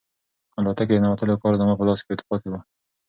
الوتکې ته د ننوتلو کارت زما په لاس کې پاتې و.